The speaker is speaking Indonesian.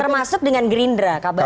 termasuk dengan gerindra kabarnya